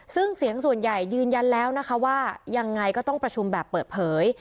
ซึ่งเสียงส่วนใหญ่ยืนยันแล้วนะคะว่ายังไงก็ต้องประชุมแบบเปิดเผย